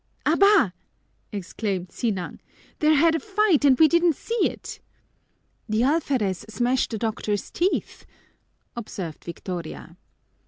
"Abá!" exclaimed Sinang, "they're had a fight and we didn't see it!" "The alferez smashed the doctor's teeth," observed Victoria.